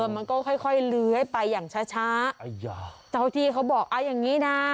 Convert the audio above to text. มันก็ค่อยค่อยเลื้อยไปอย่างช้าช้าเจ้าที่เขาบอกเอาอย่างงี้นะ